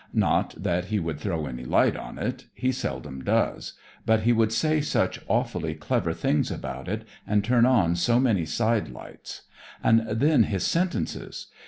Not that he would throw any light on it. He seldom does; but he would say such awfully clever things about it, and turn on so many side lights. And then his sentences!